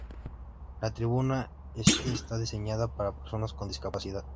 La tribuna este está diseñada para personas con discapacidad.